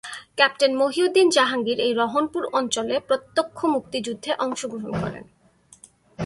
Captain Mohiuddin Jahangir এই রহনপুর অঞ্চলে প্রত্যক্ষ মুক্তিযুদ্ধে অংশগ্রহণ করেন।